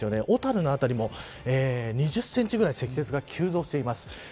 小樽の辺りも２０センチぐらい積雪が急増しています。